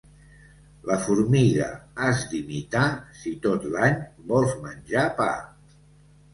La formiga has d'imitar, si tot l'any vols menjar pa.